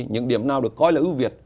những điểm nào được coi là ưu việt